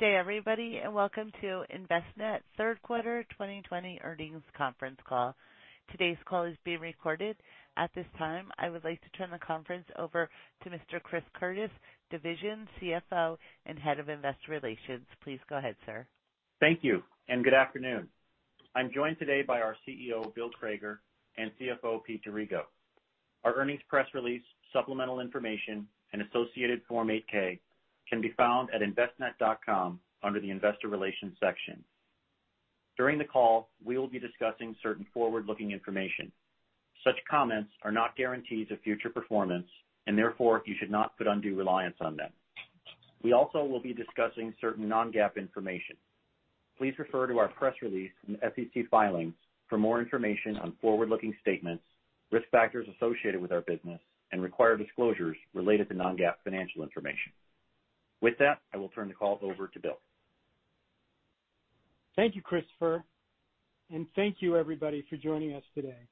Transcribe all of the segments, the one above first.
Good day everybody, welcome to Envestnet Q3 2020 earnings conference call. Today's call is being recorded. At this time, I would like to turn the conference over to Mr. Chris Curtis, Division CFO and Head of Investor Relations. Please go ahead, sir. Thank you. Good afternoon. I'm joined today by our CEO, Bill Crager, and CFO, Pete D'Arrigo. Our earnings press release, supplemental information, and associated Form 8-K can be found at Envestnet under the investor relations section. During the call, we will be discussing certain forward-looking information. Such comments are not guarantees of future performance, and therefore, you should not put undue reliance on them. We also will be discussing certain non-GAAP information. Please refer to our press release and SEC filings for more information on forward-looking statements, risk factors associated with our business, and required disclosures related to non-GAAP financial information. With that, I will turn the call over to Bill. Thank you, Chris Curtis, and thank you everybody for joining us today.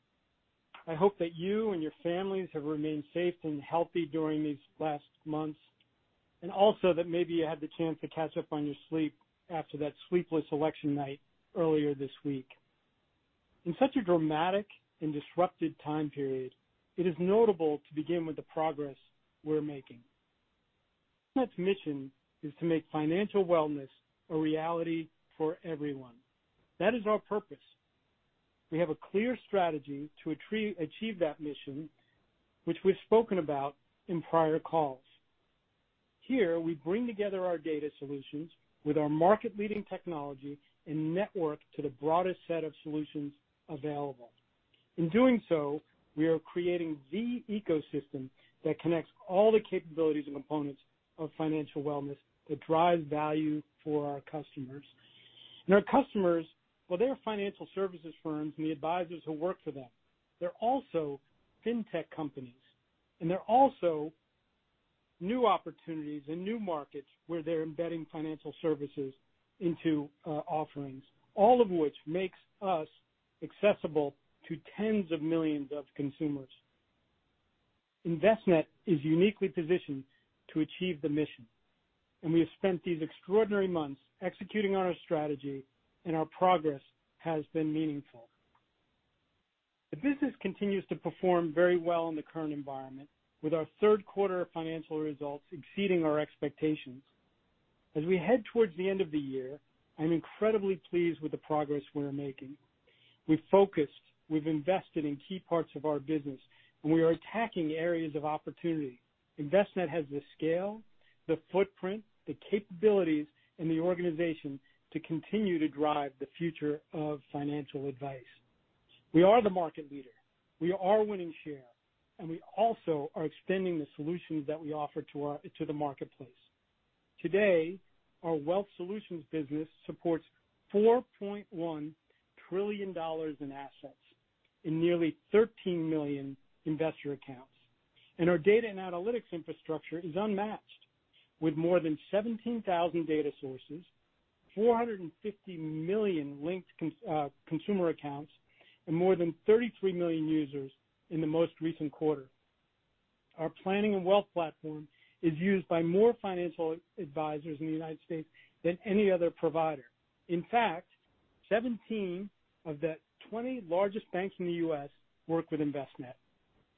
I hope that you and your families have remained safe and healthy during these last months, and also that maybe you had the chance to catch up on your sleep after that sleepless election night earlier this week. In such a dramatic and disrupted time period, it is notable to begin with the progress we're making. Envestnet's mission is to make financial wellness a reality for everyone. That is our purpose. We have a clear strategy to achieve that mission, which we've spoken about in prior calls. Here, we bring together our data solutions with our market leading technology and network to the broadest set of solutions available. In doing so, we are creating the ecosystem that connects all the capabilities and components of financial wellness that drive value for our customers. Our customers, well, they are financial services firms and the advisors who work for them. They're also fintech companies, and they're also new opportunities and new markets where they're embedding financial services into offerings. All of which makes us accessible to tens of millions of consumers. Envestnet is uniquely positioned to achieve the mission, and we have spent these extraordinary months executing on our strategy, and our progress has been meaningful. The business continues to perform very well in the current environment with our Q3 financial results exceeding our expectations. As we head towards the end of the year, I'm incredibly pleased with the progress we are making. We've focused, we've invested in key parts of our business, and we are attacking areas of opportunity. Envestnet has the scale, the footprint, the capabilities in the organization to continue to drive the future of financial advice. We are the market leader, we are winning share, and we also are extending the solutions that we offer to the marketplace. Today, our wealth solutions business supports $4.1 trillion in assets in nearly 13 million investor accounts. Our data and analytics infrastructure is unmatched with more than 17,000 data sources, 450 million linked consumer accounts and more than 33 million users in the most recent quarter. Our planning and wealth platform is used by more financial advisors in the United States than any other provider. In fact, 17 of the 20 largest banks in the U.S. work with Envestnet.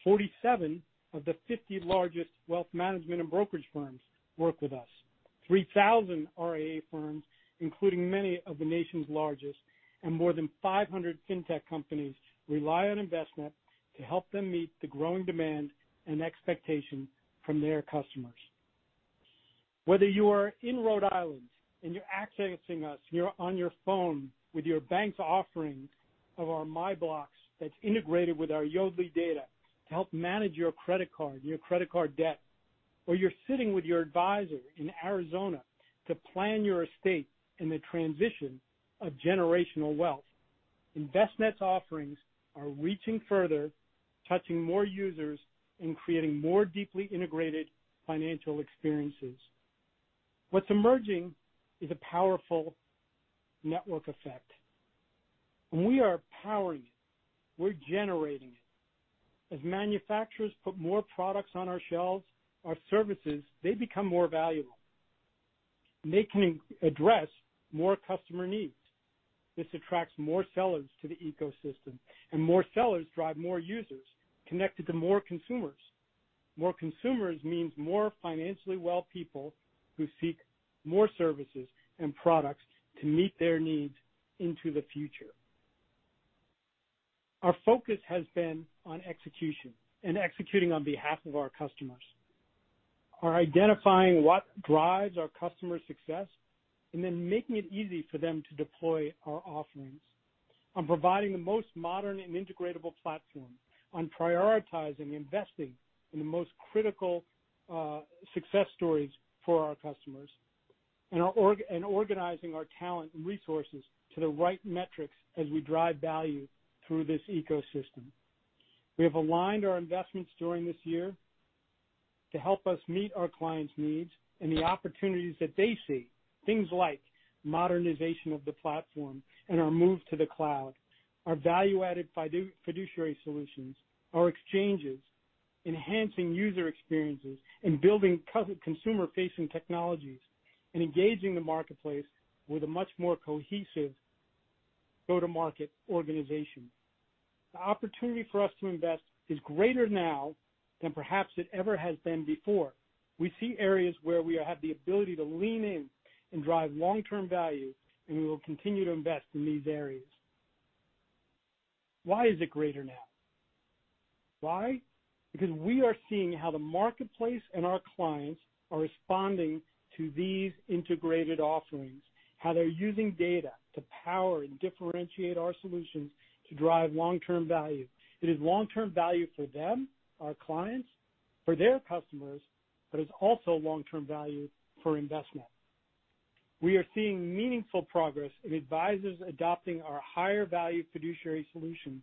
47 of the 50 largest wealth management and brokerage firms work with us. 3,000 RIA firms, including many of the nation's largest, and more than 500 fintech companies rely on Envestnet to help them meet the growing demand and expectation from their customers. Whether you are in Rhode Island and you're accessing us and you're on your phone with your bank's offering of our MyBlocks that's integrated with our Yodlee data to help manage your credit card, your credit card debt, or you're sitting with your advisor in Arizona to plan your estate and the transition of generational wealth. Envestnet's offerings are reaching further, touching more users, and creating more deeply integrated financial experiences. What's emerging is a powerful network effect. We are powering it. We're generating it. As manufacturers put more products on our shelves, our services, they become more valuable, and they can address more customer needs. This attracts more sellers to the ecosystem, and more sellers drive more users connected to more consumers. More consumers means more financially well people who seek more services and products to meet their needs into the future. Our focus has been on execution and executing on behalf of our customers. Our identifying what drives our customers' success, and then making it easy for them to deploy our offerings. On providing the most modern and integratable platform. On prioritizing investing in the most critical success stories for our customers. Organizing our talent and resources to the right metrics as we drive value through this ecosystem. We have aligned our investments during this year to help us meet our clients' needs and the opportunities that they see. Things like modernization of the platform and our move to the cloud, our value-added fiduciary solutions, our exchanges, enhancing user experiences and building consumer-facing technologies and engaging the marketplace with a much more cohesive go-to-market organization. The opportunity for us to invest is greater now than perhaps it ever has been before. We see areas where we have the ability to lean in and drive long-term value, and we will continue to invest in these areas. Why is it greater now? Why? Because we are seeing how the marketplace and our clients are responding to these integrated offerings, how they're using data to power and differentiate our solutions to drive long-term value. It is long-term value for them, our clients, for their customers, but it's also long-term value for Envestnet. We are seeing meaningful progress in advisors adopting our higher value fiduciary solutions.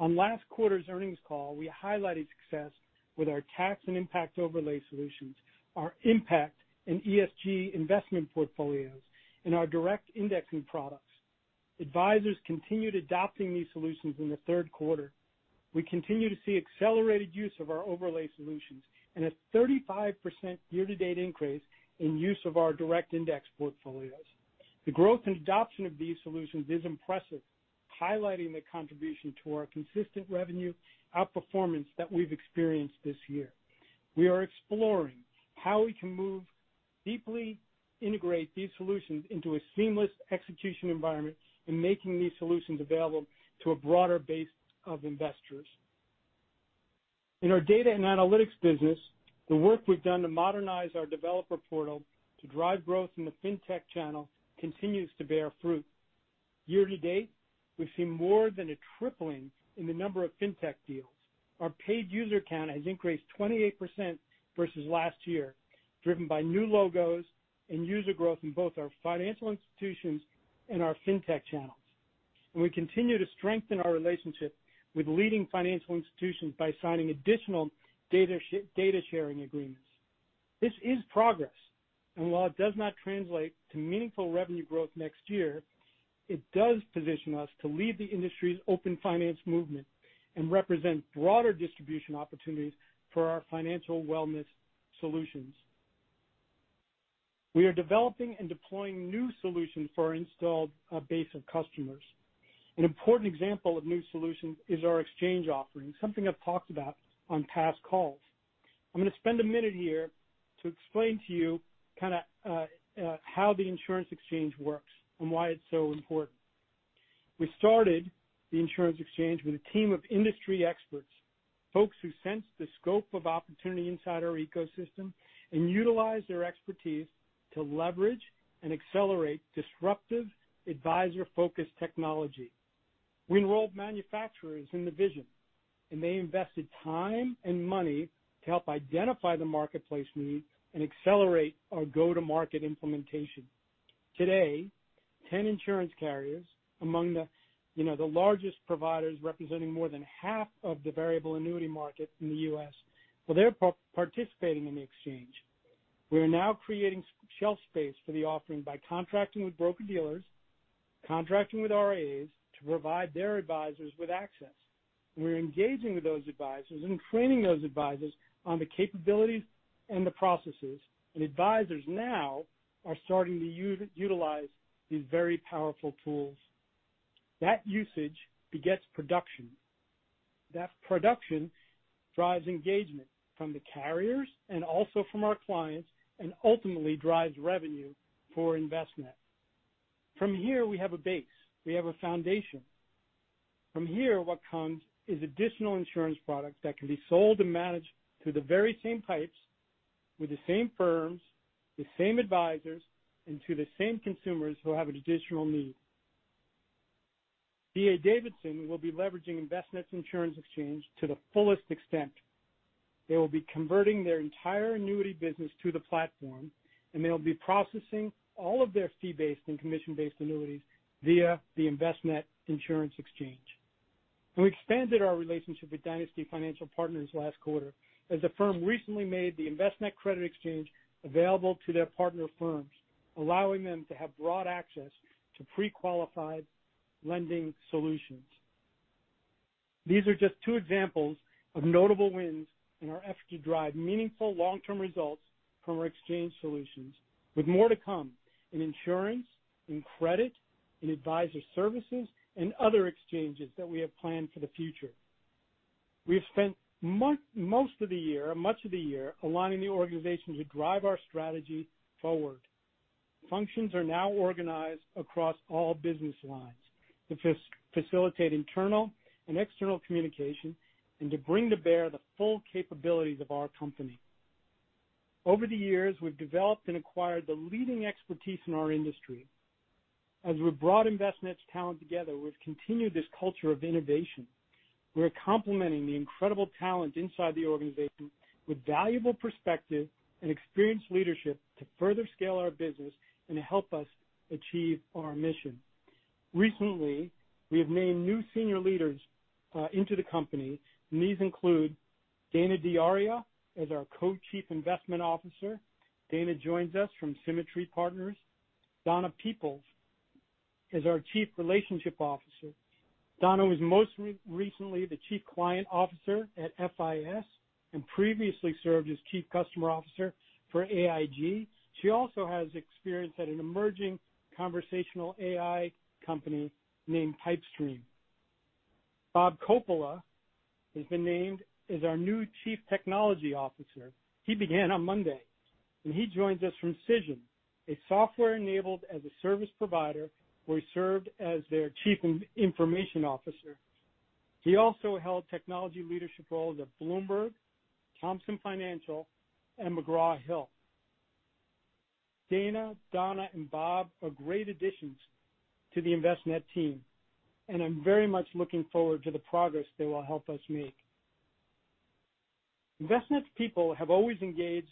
On last quarter's earnings call, we highlighted success with our tax and impact overlay solutions, our impact in ESG investment portfolios, and our direct indexing products. Advisors continued adopting these solutions in the Q3. We continue to see accelerated use of our overlay solutions and a 35% year-to-date increase in use of our direct index portfolios. The growth and adoption of these solutions is impressive, highlighting the contribution to our consistent revenue outperformance that we've experienced this year. We are exploring how we can more deeply integrate these solutions into a seamless execution environment and making these solutions available to a broader base of investors. In our data and analytics business, the work we've done to modernize our developer portal to drive growth in the FinTech channel continues to bear fruit. Year to date, we've seen more than a tripling in the number of FinTech deals. Our paid user count has increased 28% versus last year, driven by new logos and user growth in both our financial institutions and our FinTech channels. We continue to strengthen our relationship with leading financial institutions by signing additional data sharing agreements. This is progress. While it does not translate to meaningful revenue growth next year, it does position us to lead the industry's open finance movement and represent broader distribution opportunities for our financial wellness solutions. We are developing and deploying new solutions for our installed base of customers. An important example of new solutions is our exchange offering, something I've talked about on past calls. I'm going to spend a minute here to explain to you how the Insurance Exchange works and why it's so important. We started the Insurance Exchange with a team of industry experts, folks who sensed the scope of opportunity inside our ecosystem and utilized their expertise to leverage and accelerate disruptive, advisor-focused technology. We enrolled manufacturers in the vision. They invested time and money to help identify the marketplace needs and accelerate our go-to-market implementation. Today, 10 insurance carriers among the largest providers, representing more than half of the variable annuity market in the U.S., well, they're participating in the Exchange. We are now creating shelf space for the offering by contracting with broker-dealers, contracting with RIAs to provide their advisors with access. We're engaging with those advisors and training those advisors on the capabilities and the processes, advisors now are starting to utilize these very powerful tools. That usage begets production. That production drives engagement from the carriers and also from our clients and ultimately drives revenue for Envestnet. From here, we have a base. We have a foundation. From here, what comes is additional insurance products that can be sold and managed through the very same pipes with the same firms, the same advisors, and to the same consumers who have an additional need. D.A. Davidson will be leveraging Envestnet Insurance Exchange to the fullest extent. They will be converting their entire annuity business to the platform, and they'll be processing all of their fee-based and commission-based annuities via the Envestnet Insurance Exchange. We expanded our relationship with Dynasty Financial Partners last quarter as the firm recently made the Envestnet Credit Exchange available to their partner firms, allowing them to have broad access to pre-qualified lending solutions. These are just two examples of notable wins in our effort to drive meaningful long-term results from our exchange solutions with more to come in insurance, in credit, in advisor services, and other exchanges that we have planned for the future. We have spent most of the year, much of the year aligning the organization to drive our strategy forward. Functions are now organized across all business lines to facilitate internal and external communication and to bring to bear the full capabilities of our company. Over the years, we've developed and acquired the leading expertise in our industry. As we've brought Envestnet's talent together, we've continued this culture of innovation. We're complementing the incredible talent inside the organization with valuable perspective and experienced leadership to further scale our business and to help us achieve our mission. Recently, we have named new senior leaders into the company, and these include Dana D'Auria as our Co-Chief Investment Officer. Dana joins us from Symmetry Partners. Donna Peeples as our Chief Relationship Officer. Donna was most recently the Chief Client Officer at FIS, and previously served as Chief Customer Officer for AIG. She also has experience at an emerging conversational AI company named Pypestream. Robert Coppola has been named as our new Chief Technology Officer. He began on Monday. He joins us from Cision, a software-enabled as a service provider where he served as their Chief Information Officer. He also held technology leadership roles at Bloomberg, Thomson Financial, and McGraw Hill. Dana, Donna, and Bob are great additions to the Envestnet team. I'm very much looking forward to the progress they will help us make. Envestnet's people have always engaged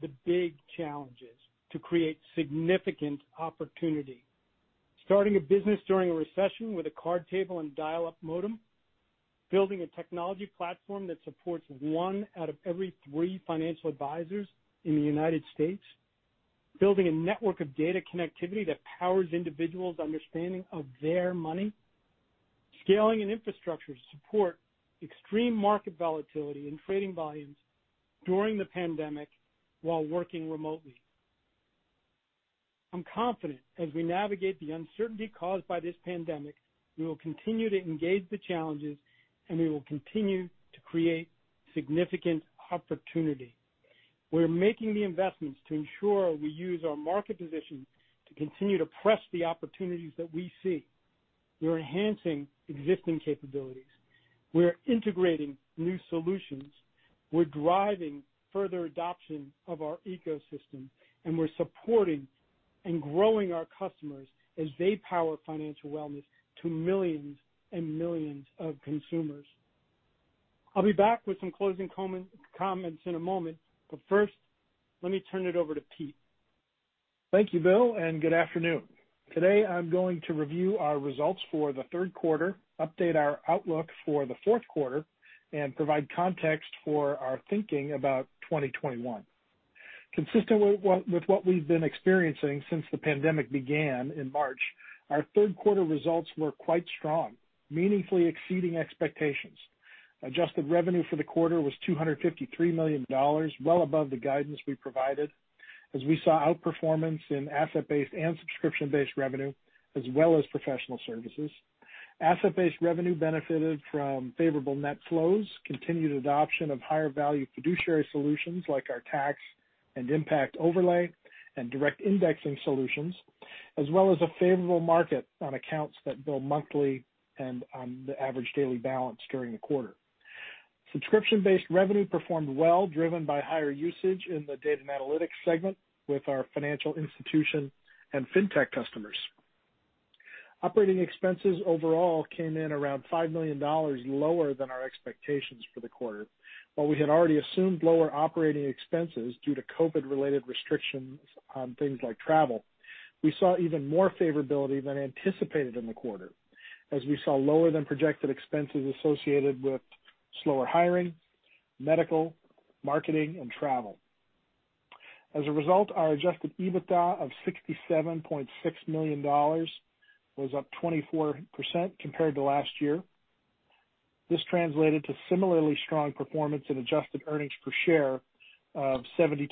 the big challenges to create significant opportunity. Starting a business during a recession with a card table and dial-up modem, building a technology platform that supports one out of every three financial advisors in the U.S., building a network of data connectivity that powers individuals' understanding of their money, scaling an infrastructure to support extreme market volatility and trading volumes during the pandemic while working remotely. I'm confident as we navigate the uncertainty caused by this pandemic, we will continue to engage the challenges, and we will continue to create significant opportunity. We're making the investments to ensure we use our market position to continue to press the opportunities that we see. We're enhancing existing capabilities. We're integrating new solutions. We're driving further adoption of our ecosystem, and we're supporting and growing our customers as they power financial wellness to millions and millions of consumers. I'll be back with some closing comments in a moment, but first, let me turn it over to Pete. Thank you, Bill, and good afternoon. Today, I'm going to review our results for the Q3, update our outlook for the Q4, and provide context for our thinking about 2021. Consistent with what we've been experiencing since the pandemic began in March, our Q3 results were quite strong, meaningfully exceeding expectations. Adjusted revenue for the quarter was $253 million, well above the guidance we provided, as we saw outperformance in asset-based and subscription-based revenue, as well as professional services. Asset-based revenue benefited from favorable net flows, continued adoption of higher value fiduciary solutions like our tax and impact overlay and direct indexing solutions, as well as a favorable market on accounts that bill monthly and on the average daily balance during the quarter. Subscription-based revenue performed well, driven by higher usage in the data and analytics segment with our financial institution and fintech customers. Operating expenses overall came in around $5 million lower than our expectations for the quarter. While we had already assumed lower operating expenses due to COVID-related restrictions on things like travel, we saw even more favorability than anticipated in the quarter as we saw lower than projected expenses associated with slower hiring, medical, marketing, and travel. As a result, our adjusted EBITDA of $67.6 million was up 24% compared to last year. This translated to similarly strong performance in adjusted earnings per share of $0.72,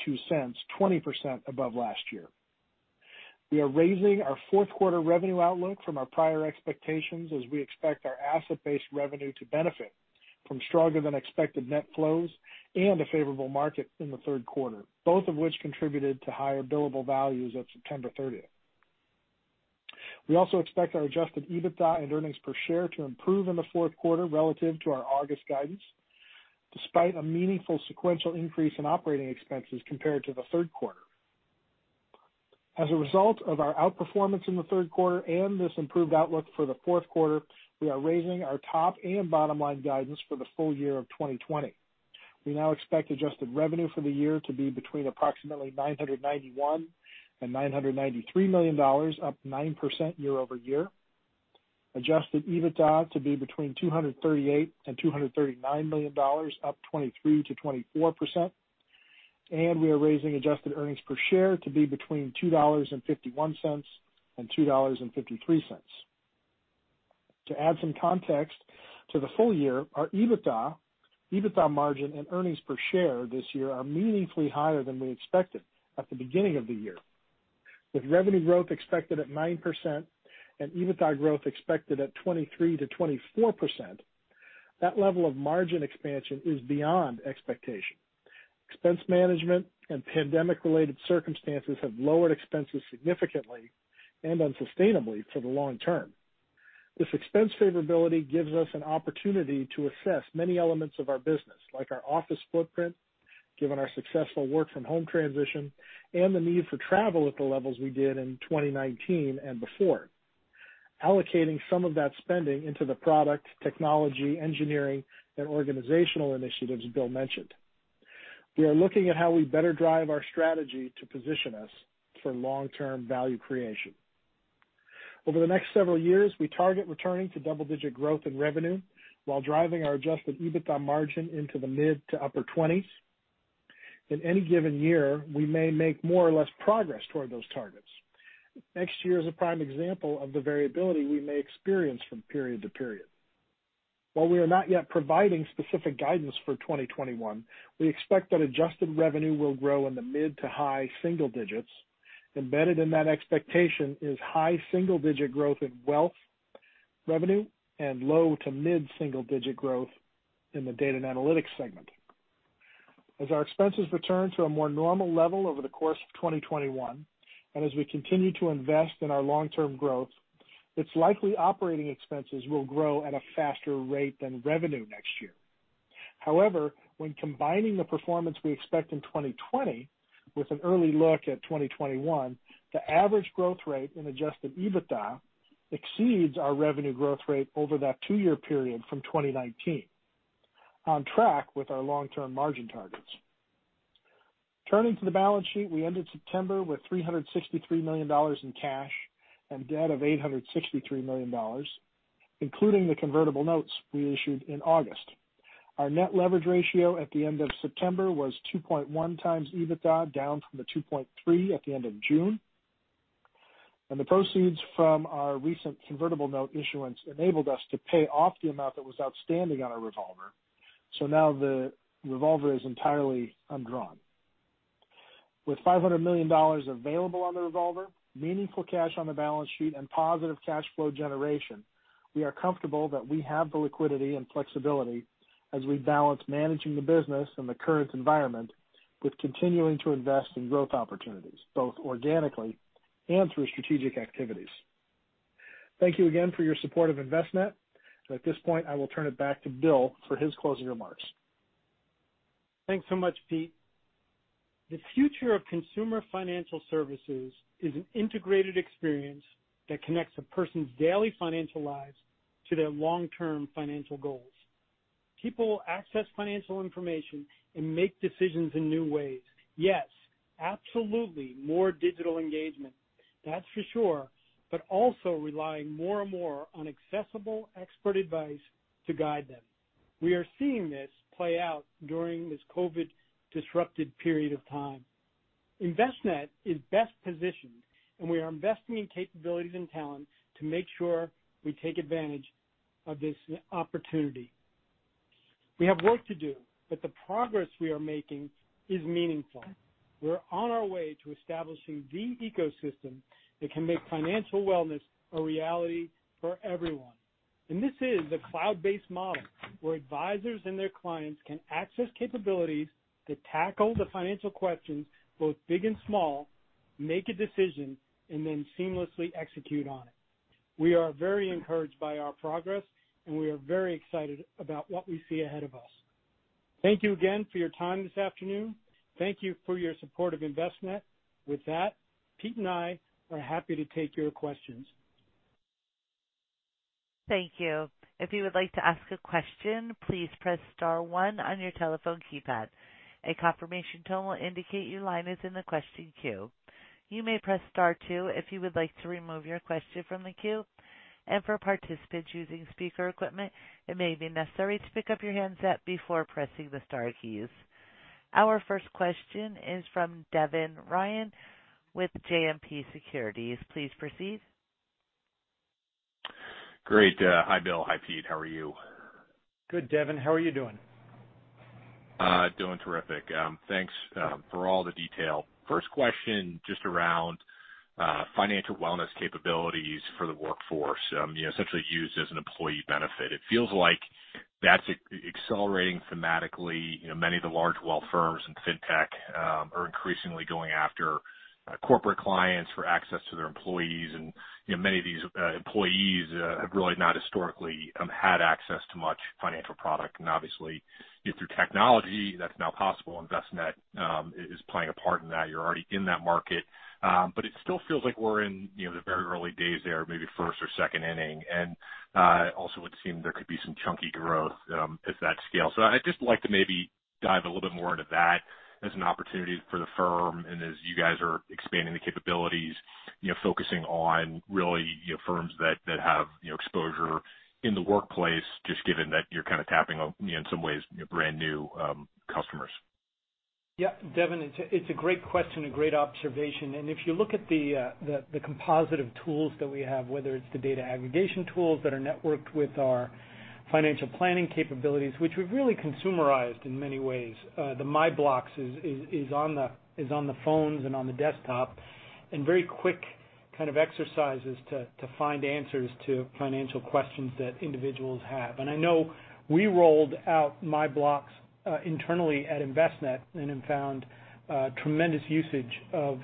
20% above last year. We are raising our Q4 revenue outlook from our prior expectations as we expect our asset-based revenue to benefit from stronger than expected net flows and a favorable market in the Q3, both of which contributed to higher billable values at September 30th. We also expect our adjusted EBITDA and earnings per share to improve in the Q4 relative to our August guidance, despite a meaningful sequential increase in operating expenses compared to the Q3. As a result of our outperformance in the Q3 and this improved outlook for the Q4, we are raising our top and bottom line guidance for the full year of 2020. We now expect adjusted revenue for the year to be between approximately $991 million and $993 million, up 9% year-over-year. Adjusted EBITDA to be between $238 million and $239 million, up 23%-24%. We are raising adjusted earnings per share to be between $2.51 and $2.53. To add some context to the full year, our EBITDA margin, and earnings per share this year are meaningfully higher than we expected at the beginning of the year. With revenue growth expected at 9% and EBITDA growth expected at 23%-24%, that level of margin expansion is beyond expectation. Expense management and pandemic related circumstances have lowered expenses significantly and unsustainably for the long term. This expense favorability gives us an opportunity to assess many elements of our business, like our office footprint, given our successful work from home transition and the need for travel at the levels we did in 2019 and before. Allocating some of that spending into the product, technology, engineering, and organizational initiatives Bill mentioned. We are looking at how we better drive our strategy to position us for long-term value creation. Over the next several years, we target returning to double-digit growth in revenue while driving our adjusted EBITDA margin into the mid to upper 20s. In any given year, we may make more or less progress toward those targets. Next year is a prime example of the variability we may experience from period-to-period. While we are not yet providing specific guidance for 2021, we expect that adjusted revenue will grow in the mid to high single digits. Embedded in that expectation is high single-digit growth in wealth revenue and low to mid single-digit growth in the data and analytics segment. As our expenses return to a more normal level over the course of 2021, and as we continue to invest in our long-term growth, it's likely operating expenses will grow at a faster rate than revenue next year. However, when combining the performance we expect in 2020 with an early look at 2021, the average growth rate in adjusted EBITDA exceeds our revenue growth rate over that two-year period from 2019, on track with our long-term margin targets. Turning to the balance sheet, we ended September with $363 million in cash and debt of $863 million, including the convertible notes we issued in August. Our net leverage ratio at the end of September was 2.1x EBITDA, down from the 2.3 at the end of June. The proceeds from our recent convertible note issuance enabled us to pay off the amount that was outstanding on our revolver, so now the revolver is entirely undrawn. With $500 million available on the revolver, meaningful cash on the balance sheet, and positive cash flow generation, we are comfortable that we have the liquidity and flexibility as we balance managing the business in the current environment with continuing to invest in growth opportunities, both organically and through strategic activities. Thank you again for your support of Envestnet. At this point, I will turn it back to Bill for his closing remarks. Thanks so much, Pete. The future of consumer financial services is an integrated experience that connects a person's daily financial lives to their long-term financial goals. People will access financial information and make decisions in new ways. Yes, absolutely more digital engagement. That's for sure. Also relying more and more on accessible expert advice to guide them. We are seeing this play out during this COVID-disrupted period of time. Envestnet is best positioned, and we are investing in capabilities and talent to make sure we take advantage of this opportunity. We have work to do, but the progress we are making is meaningful. We're on our way to establishing the ecosystem that can make financial wellness a reality for everyone. This is a cloud-based model where advisors and their clients can access capabilities to tackle the financial questions, both big and small, make a decision, and then seamlessly execute on it. We are very encouraged by our progress. We are very excited about what we see ahead of us. Thank you again for your time this afternoon. Thank you for your support of Envestnet. With that, Pete and I are happy to take your questions. Thank you. If you would like to ask a question, please press star one on your telephone keypad. A confirmation tone will indicate your line is in the question queue. You may press star two if you would like to remove your question from the queue. For participants using speaker equipment, it may be necessary to pick up your handset before pressing the star keys. Our first question is from Devin Ryan with JMP Securities. Please proceed. Great. Hi, Bill. Hi, Pete. How are you? Good, Devin. How are you doing? Doing terrific. Thanks for all the detail. First question, just around financial wellness capabilities for the workforce, essentially used as an employee benefit. It feels like that's accelerating thematically. Many of the large wealth firms in fintech are increasingly going after corporate clients for access to their employees. Many of these employees have really not historically had access to much financial product. Obviously through technology, that's now possible. Envestnet is playing a part in that. You're already in that market. It still feels like we're in the very early days there, maybe first or second inning. Also it seems there could be some chunky growth as that scales. I'd just like to maybe dive a little bit more into that as an opportunity for the firm and as you guys are expanding the capabilities, focusing on firms that have exposure in the workplace, just given that you're kind of tapping on, in some ways, brand-new customers. Yeah. Devin, it's a great question, a great observation. If you look at the composite of tools that we have, whether it's the data aggregation tools that are networked with our financial planning capabilities, which we've really consumerized in many ways. The MyBlocks is on the phones and on the desktop, and very quick kind of exercises to find answers to financial questions that individuals have. I know we rolled out MyBlocks internally at Envestnet and have found tremendous usage of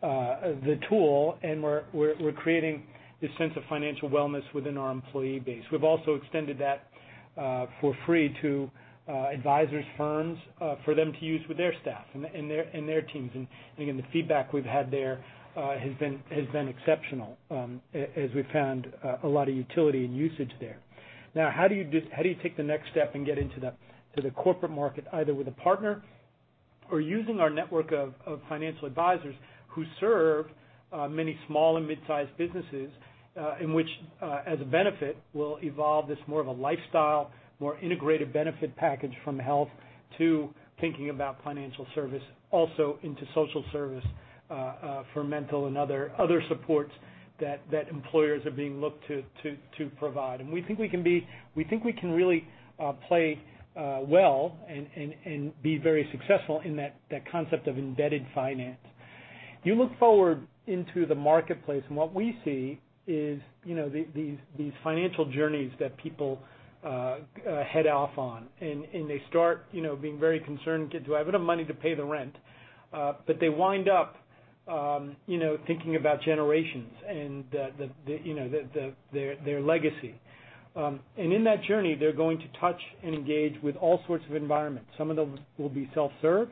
the tool, and we're creating this sense of financial wellness within our employee base. We've also extended that for free to advisors' firms for them to use with their staff and their teams. Again, the feedback we've had there has been exceptional as we found a lot of utility and usage there. How do you take the next step and get into the corporate market, either with a partner or using our network of financial advisors who serve many small and mid-sized businesses, in which, as a benefit, will evolve this more of a lifestyle, more integrated benefit package from health to thinking about financial service, also into social service for mental and other supports that employers are being looked to provide. We think we can really play well and be very successful in that concept of embedded finance. You look forward into the marketplace, and what we see is these financial journeys that people head off on. They start being very concerned, "Do I have enough money to pay the rent?" They wind up thinking about generations and their legacy. In that journey, they're going to touch and engage with all sorts of environments. Some of them will be self-serve,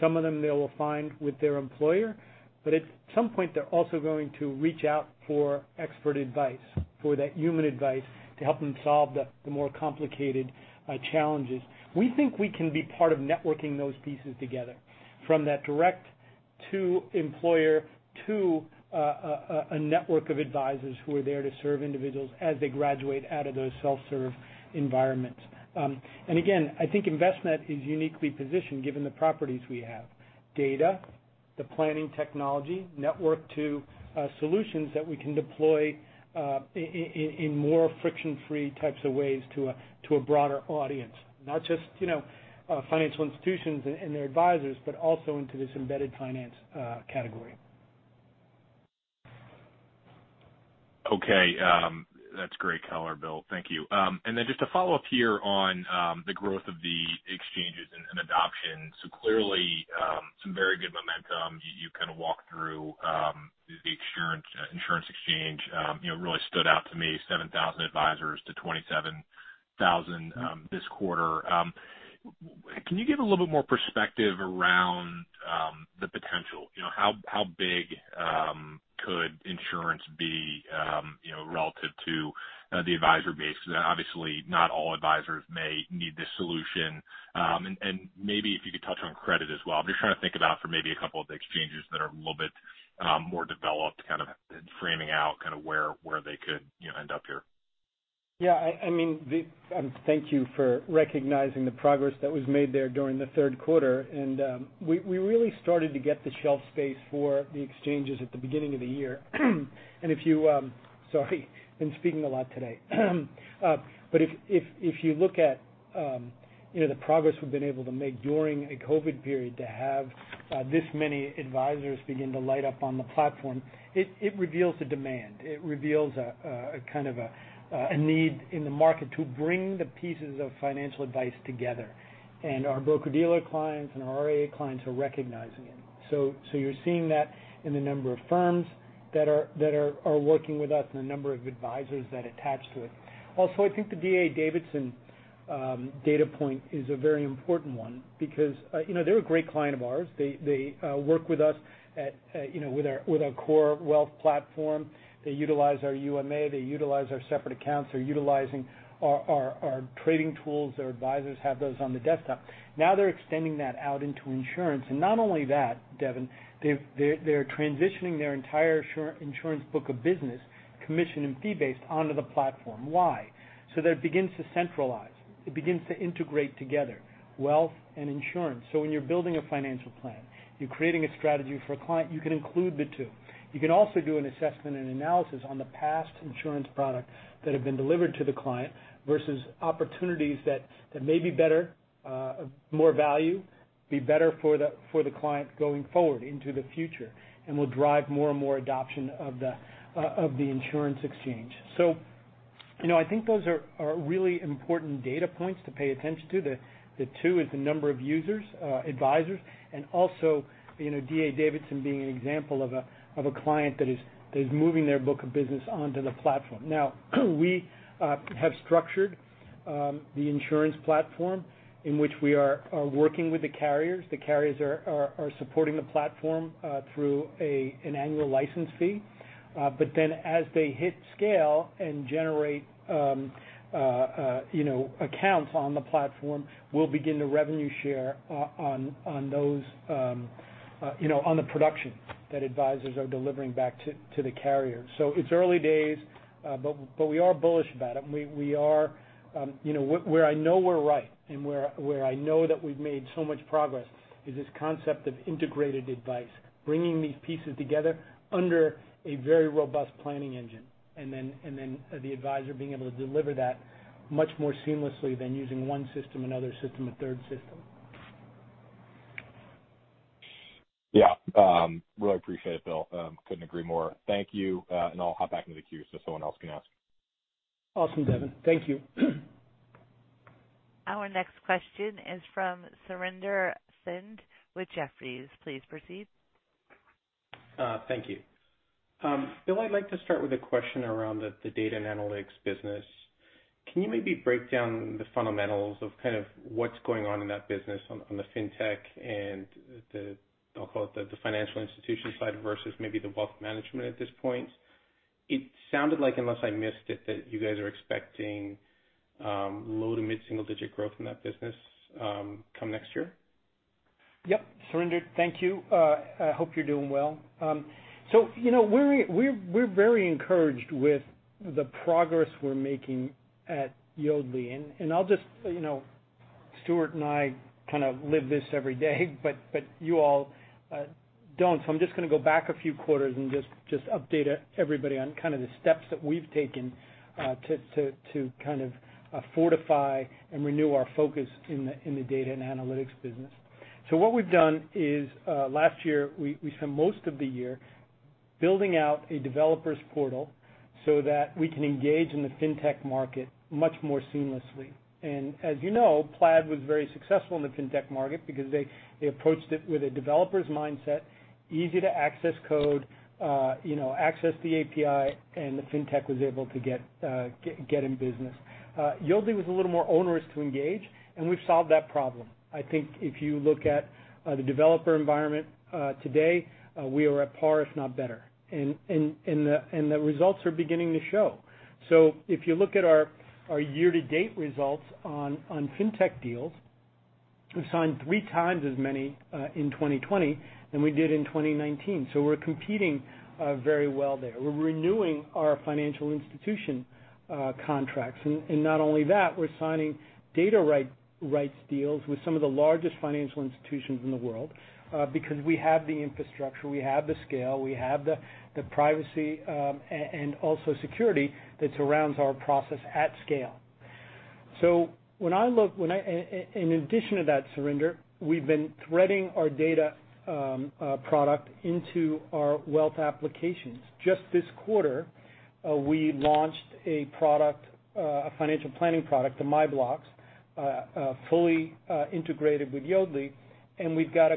some of them they will find with their employer. At some point, they're also going to reach out for expert advice, for that human advice, to help them solve the more complicated challenges. We think we can be part of networking those pieces together, from that direct to employer to a network of advisors who are there to serve individuals as they graduate out of those self-serve environments. Again, I think Envestnet is uniquely-positioned given the properties we have. Data, the planning technology, network to solutions that we can deploy in more friction-free types of ways to a broader audience. Not just financial institutions and their advisors, but also into this embedded finance category. Okay. That's great color, Bill. Thank you. Then just to follow up here on the growth of the exchanges and adoption. Clearly, some very good momentum. You kind of walked through the Insurance Exchange. Really stood out to me, 7,000 advisors to 27,000 this quarter. Can you give a little bit more perspective around the potential? How big could Insurance be relative to the advisor base? Because obviously not all advisors may need this solution. Maybe if you could touch on Credit as well. I'm just trying to think about for maybe a couple of the exchanges that are a little bit more developed, kind of framing out kind of where they could end up here. Yeah. Thank you for recognizing the progress that was made there during the Q3. We really started to get the shelf space for the exchanges at the beginning of the year. Sorry, been speaking a lot today. If you look at the progress we've been able to make during a COVID period to have this many advisors begin to light up on the platform, it reveals the demand. It reveals a kind of a need in the market to bring the pieces of financial advice together. Our broker-dealer clients and our RIA clients are recognizing it. You're seeing that in the number of firms that are working with us and the number of advisors that attach to it. Also, I think the D.A. Davidson data point is a very important one because they're a great client of ours. They work with us with our core wealth platform. They utilize our UMA, they utilize our separate accounts. They're utilizing our trading tools. Their advisors have those on the desktop. Now they're extending that out into insurance. Not only that, Devin, they're transitioning their entire insurance book of business, commission and fee-based, onto the platform. Why? That it begins to centralize. It begins to integrate together wealth and insurance. When you're building a financial plan, you're creating a strategy for a client, you can include the two. You can also do an assessment and analysis on the past insurance products that have been delivered to the client versus opportunities that may be better, of more value, be better for the client going forward into the future, and will drive more and more adoption of the Insurance Exchange. I think those are really important data points to pay attention to. The two is the number of users, advisors, and also, D.A. Davidson being an example of a client that is moving their book of business onto the platform. We have structured the insurance platform in which we are working with the carriers. The carriers are supporting the platform through an annual license fee. As they hit scale and generate accounts on the platform, we'll begin to revenue share on the production that advisors are delivering back to the carrier. It's early days, but we are bullish about it. Where I know we're right and where I know that we've made so much progress is this concept of integrated advice, bringing these pieces together under a very robust planning engine, then the advisor being able to deliver that much more seamlessly than using one system, another system, a third system. Yeah. Really appreciate it, Bill. Couldn't agree more. Thank you, and I'll hop back into the queue so someone else can ask. Awesome, Devin. Thank you. Our next question is from Surinder Thind with Jefferies. Please proceed. Thank you. Bill, I'd like to start with a question around the data and analytics business. Can you maybe break down the fundamentals of kind of what's going on in that business on the fintech and the, I'll call it the financial institution side versus maybe the wealth management at this point? It sounded like, unless I missed it, that you guys are expecting low to mid-single digit growth in that business come next year. Yep. Surinder, thank you. I hope you're doing well. We're very encouraged with the progress we're making at Yodlee. Stuart and I kind of live this every day, but you all don't. I'm just going to go back a few quarters and just update everybody on kind of the steps that we've taken to kind of fortify and renew our focus in the data and analytics business. What we've done is last year we spent most of the year building out a developer's portal so that we can engage in the fintech market much more seamlessly. As you know, Plaid was very successful in the fintech market because they approached it with a developer's mindset, easy to access code, access the API, and the fintech was able to get in business. Yodlee was a little more onerous to engage, and we've solved that problem. I think if you look at the developer environment today, we are at par, if not better. The results are beginning to show. If you look at our year-to-date results on fintech deals, we signed 3x as many in 2020 than we did in 2019. We're renewing our financial institution contracts. Not only that, we're signing data rights deals with some of the largest financial institutions in the world because we have the infrastructure, we have the scale, we have the privacy, and also security that surrounds our process at scale. In addition to that, Surinder, we've been threading our data product into our wealth applications. Just this quarter, we launched a financial planning product, the MyBlocks, fully integrated with Yodlee, and we've got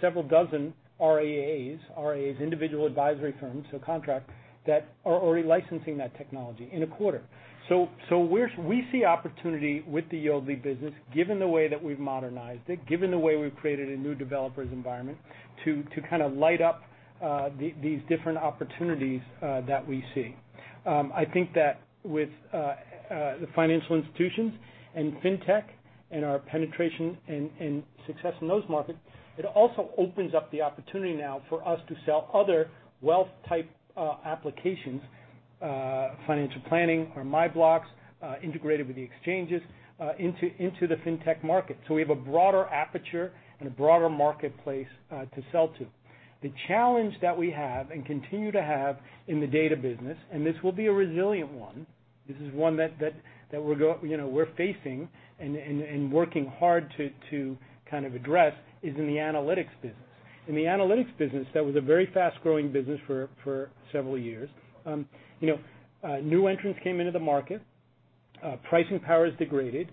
several dozen RIAs individual advisory firms, so contract, that are already licensing that technology in a quarter. We see opportunity with the Yodlee business, given the way that we've modernized it, given the way we've created a new developer's environment to kind of light up these different opportunities that we see. I think that with the financial institutions and fintech and our penetration and success in those markets, it also opens up the opportunity now for us to sell other wealth type applications, financial planning or MyBlocks integrated with the exchanges into the fintech market. We have a broader aperture and a broader marketplace to sell to. The challenge that we have and continue to have in the data business, and this will be a resilient one, this is one that we're facing and working hard to kind of address is in the analytics business. In the analytics business, that was a very fast-growing business for several years. New entrants came into the market. Pricing power is degraded.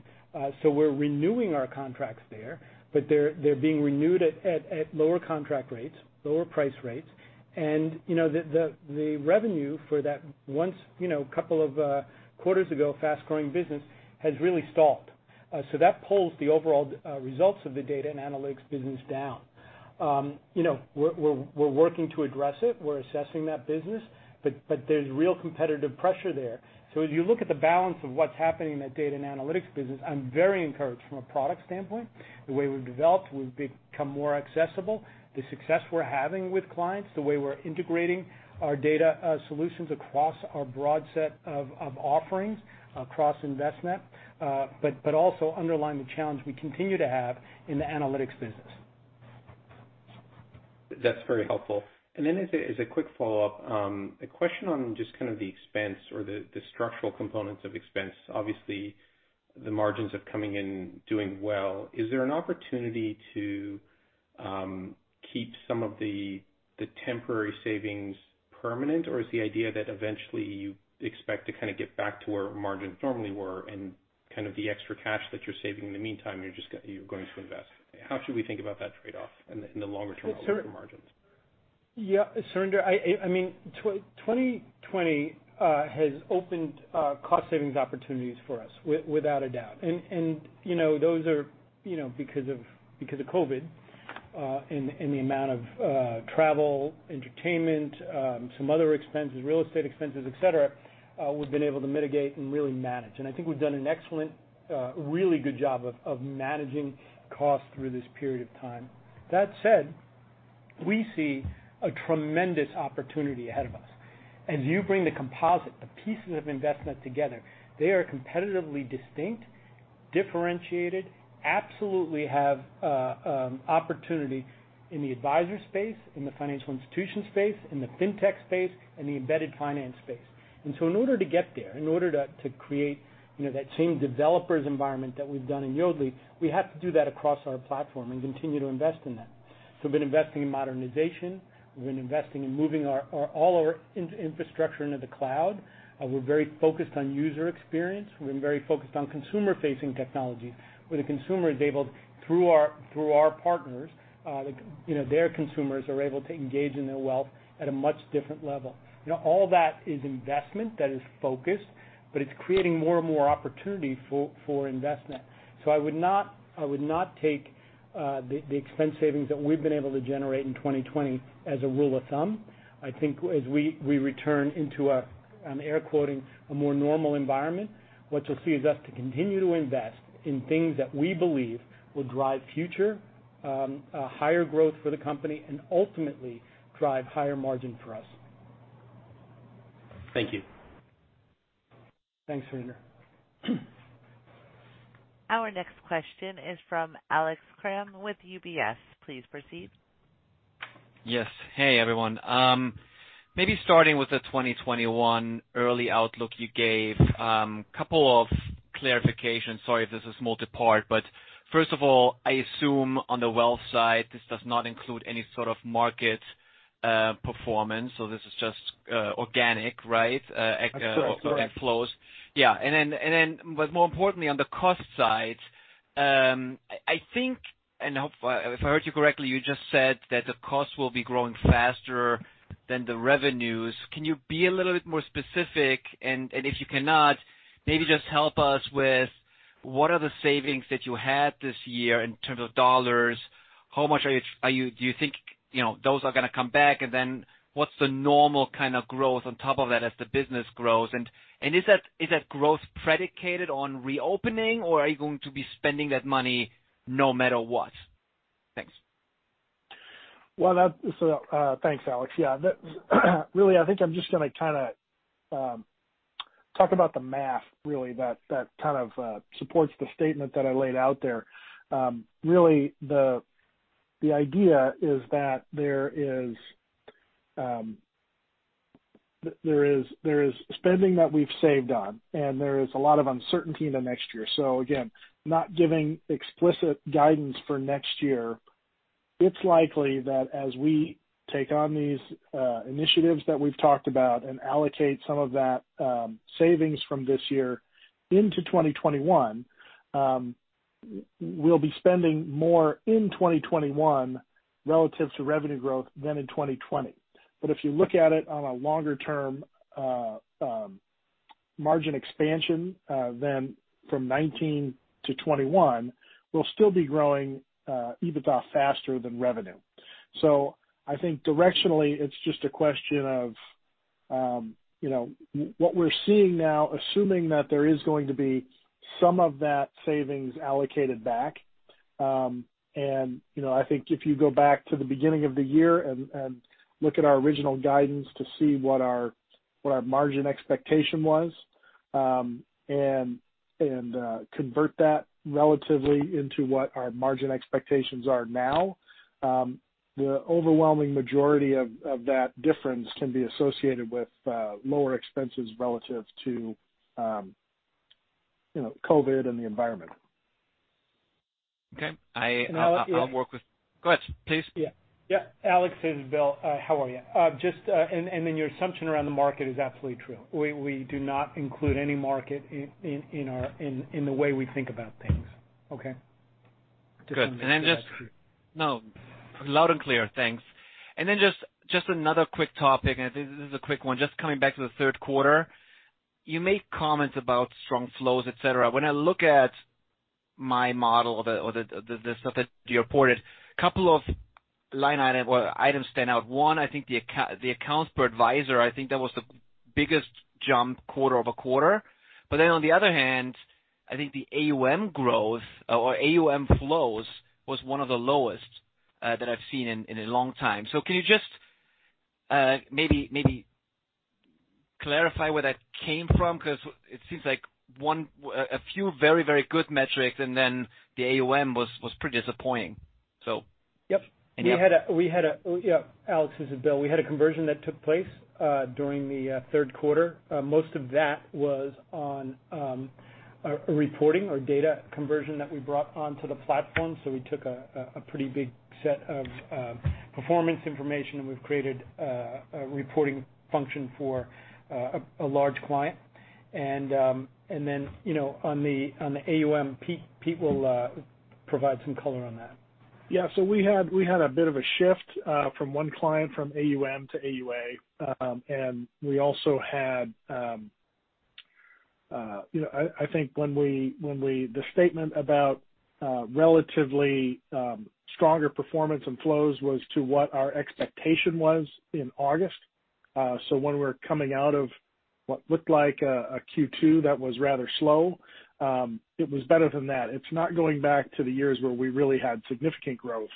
We're renewing our contracts there, but they're being renewed at lower contract rates, lower price rates. The revenue for that once, couple of quarters ago, fast-growing business has really stalled. That pulls the overall results of the data and analytics business down. We're working to address it. We're assessing that business, but there's real competitive pressure there. As you look at the balance of what's happening in that data and analytics business, I'm very encouraged from a product standpoint, the way we've developed, we've become more accessible. The success we're having with clients, the way we're integrating our data solutions across our broad set of offerings across Envestnet. Also underline the challenge we continue to have in the analytics business. That's very helpful. As a quick follow-up, a question on just kind of the expense or the structural components of expense. Obviously, the margins are coming in doing well. Is there an opportunity to keep some of the temporary savings permanent, or is the idea that eventually you expect to kind of get back to where margins normally were and kind of the extra cash that you're saving in the meantime, you're going to invest? How should we think about that trade-off in the longer term margins? Yeah. Surinder, 2020 has opened cost savings opportunities for us, without a doubt. Those are because of COVID and the amount of travel, entertainment, some other expenses, real estate expenses, et cetera, we've been able to mitigate and really manage. I think we've done an excellent, really good job of managing costs through this period of time. That said, we see a tremendous opportunity ahead of us. As you bring the composite, the pieces of Envestnet together, they are competitively distinct, differentiated, absolutely have opportunity in the advisor space, in the financial institution space, in the fintech space, and the embedded finance space. In order to get there, in order to create that same developer's environment that we've done in Yodlee, we have to do that across our platform and continue to invest in that. We've been investing in modernization. We've been investing in moving all our infrastructure into the cloud. We're very focused on user experience. We've been very focused on consumer-facing technologies where the consumer is able, through our partners, their consumers are able to engage in their wealth at a much different level. All that is investment that is focused, but it's creating more and more opportunity for Envestnet. I would not take the expense savings that we've been able to generate in 2020 as a rule of thumb. I think as we return into a, I'm air quoting, "A more normal environment," what you'll see is us to continue to invest in things that we believe will drive future higher growth for the company and ultimately drive higher margin for us. Thank you. Thanks, Surinder. Our next question is from Alex Kramm with UBS. Please proceed. Yes. Hey, everyone. Maybe starting with the 2021 early outlook you gave, couple of clarifications. Sorry if this is multi-part. First of all, I assume on the wealth side, this does not include any sort of market performance. This is just organic, right? That's correct. Flows. Yeah. More importantly on the cost side, I think, and if I heard you correctly, you just said that the cost will be growing faster than the revenues. Can you be a little bit more specific? If you cannot, maybe just help us with what are the savings that you had this year in terms of dollars. How much do you think those are going to come back? What's the normal kind of growth on top of that as the business grows? Is that growth predicated on reopening or are you going to be spending that money no matter what? Thanks. Well, thanks, Alex Kramm. Yeah. Really, I think I'm just going to kind of talk about the math really that kind of supports the statement that I laid out there. Really the idea is that there is spending that we've saved on, and there is a lot of uncertainty in the next year. Again, not giving explicit guidance for next year, it's likely that as we take on these initiatives that we've talked about and allocate some of that savings from this year into 2021, we'll be spending more in 2021 relative to revenue growth than in 2020. If you look at it on a longer-term margin expansion then from 2019-2021, we'll still be growing EBITDA faster than revenue. I think directionally it's just a question of what we're seeing now, assuming that there is going to be some of that savings allocated back. I think if you go back to the beginning of the year and look at our original guidance to see what our margin expectation was and convert that relatively into what our margin expectations are now, the overwhelming majority of that difference can be associated with lower expenses relative to COVID and the environment. Okay. I'll work with Go ahead, please. Yeah. Alex, this is Bill. How are you? Your assumption around the market is absolutely true. We do not include any market in the way we think about things. Okay? Good. Just wanted to make sure that's clear. No. Loud and clear. Thanks. Just another quick topic, and this is a quick one. Just coming back to the Q3, you make comments about strong flows, et cetera. When I look at my model or the stuff that you reported, couple of line items stand out. One, I think the accounts per advisor, I think that was the biggest jump quarter-over-quarter. On the other hand, I think the AUM growth or AUM flows was one of the lowest that I've seen in a long time. Can you just maybe clarify where that came from? Because it seems like a few very good metrics and then the AUM was pretty disappointing. Yep. Alex, this is Bill. We had a conversion that took place during the Q3. Most of that was on a reporting or data conversion that we brought onto the platform. We took a pretty big set of performance information and we've created a reporting function for a large client. On the AUM, Pete will provide some color on that. Yeah. We had a bit of a shift from one client from AUM to AUA. We also had I think the statement about relatively stronger performance and flows was to what our expectation was in August. When we're coming out of what looked like a Q2 that was rather slow, it was better than that. It's not going back to the years where we really had significant growth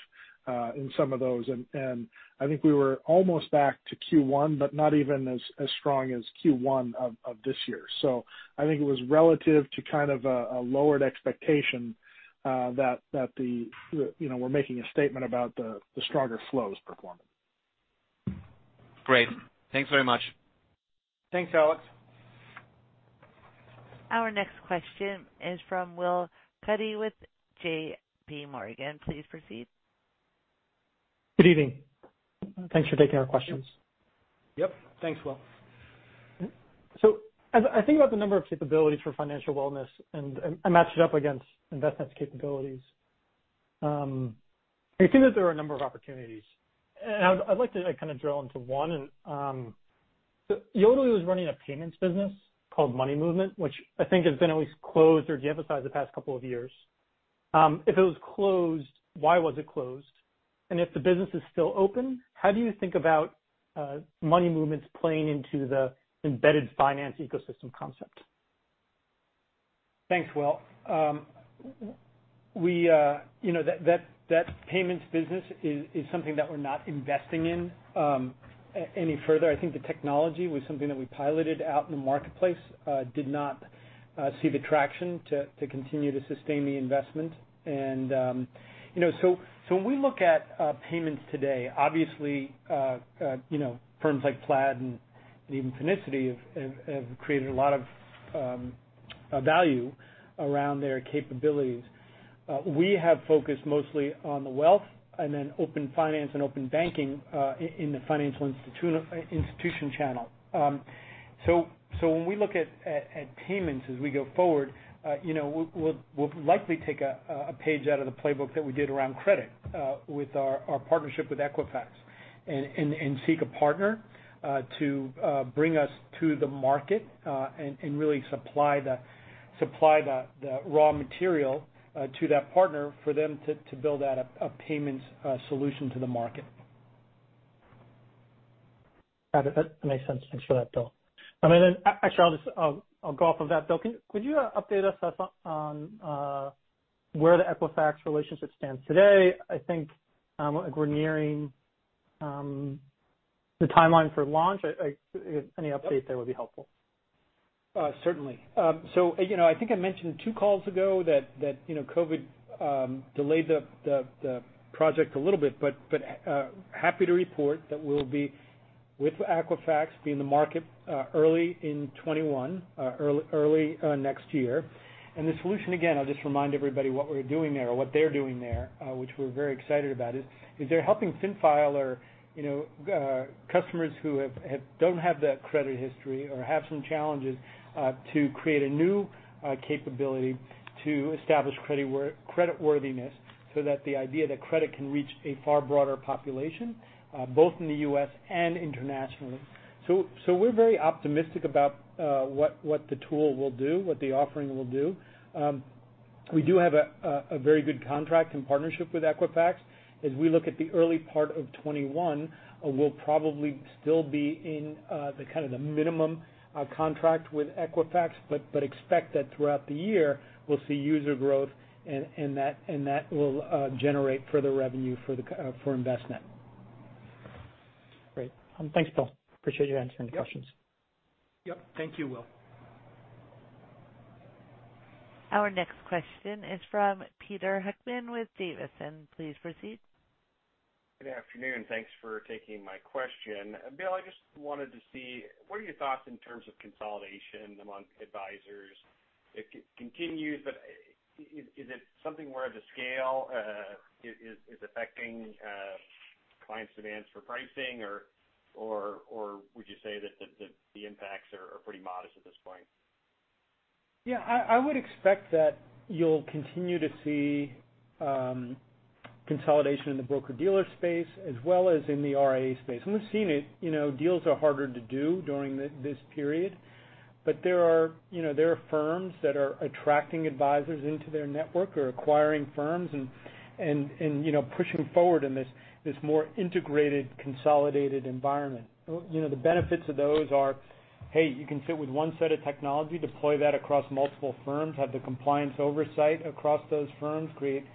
in some of those. I think we were almost back to Q1, but not even as strong as Q1 of this year. I think it was relative to kind of a lowered expectation that we're making a statement about the stronger flows performance. Great. Thanks very much. Thanks, Alex. Our next question is from Will Cuddy with J.P. Morgan. Please proceed. Good evening. Thanks for taking our questions. Yep. Thanks, Will. As I think about the number of capabilities for financial wellness and match it up against Envestnet's capabilities, I see that there are a number of opportunities. I'd like to kind of drill into one. Yodlee was running a payments business called Yodlee Money Movement, which I think has been at least closed or de-emphasized the past couple of years. If it was closed, why was it closed? If the business is still open, how do you think about money movements playing into the embedded finance ecosystem concept? Thanks, Will. That payments business is something that we're not investing in any further. I think the technology was something that we piloted out in the marketplace, did not see the traction to continue to sustain the investment. When we look at payments today, obviously firms like Plaid and even Finicity have created a lot of value around their capabilities. We have focused mostly on the wealth and then open finance and open banking in the financial institution channel. When we look at payments as we go forward, we'll likely take a page out of the playbook that we did around credit with our partnership with Equifax and seek a partner to bring us to the market and really supply the raw material to that partner for them to build out a payments solution to the market. Got it. That makes sense. Thanks for that, Bill. Actually, I'll go off of that. Bill, could you update us on where the Equifax relationship stands today? I think we're nearing the timeline for launch. Any update there would be helpful. Certainly. I think I mentioned two calls ago that COVID delayed the project a little bit, but happy to report that we'll be with Equifax, be in the market early in 2021, early next year. The solution, again, I'll just remind everybody what we're doing there or what they're doing there, which we're very excited about, is they're helping thin file our customers who don't have the credit history or have some challenges, to create a new capability to establish creditworthiness so that the idea that credit can reach a far broader population both in the U.S. and internationally. We're very optimistic about what the tool will do, what the offering will do. We do have a very good contract and partnership with Equifax. As we look at the early part of 2021, we'll probably still be in kind of the minimum contract with Equifax, but expect that throughout the year, we'll see user growth, and that will generate further revenue for Envestnet. Great. Thanks, Bill. Appreciate you answering the questions. Yep. Thank you, Will. Our next question is from Peter Heckmann with D.A. Davidson. Please proceed. Good afternoon. Thanks for taking my question. Bill, I just wanted to see, what are your thoughts in terms of consolidation amongst advisors? It continues, but is it something where the scale is affecting clients' demands for pricing, or would you say that the impacts are pretty modest at this point? Yeah, I would expect that you'll continue to see consolidation in the broker-dealer space as well as in the RIA space. We've seen it. Deals are harder to do during this period. There are firms that are attracting advisors into their network or acquiring firms and pushing forward in this more integrated, consolidated environment. The benefits of those are, hey, you can sit with one set of technology, deploy that across multiple firms, have the compliance oversight across those firms, create